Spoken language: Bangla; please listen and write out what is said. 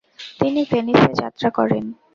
তিনি ভেনিসে যাত্রা করেন।